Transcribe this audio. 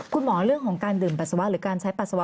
เรื่องของการดื่มปัสสาวะหรือการใช้ปัสสาวะ